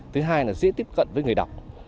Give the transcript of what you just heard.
thứ hai là dễ tiếp cận với người đọc